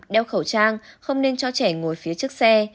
đeo khẩu trang không nên cho trẻ ngồi phía trước xe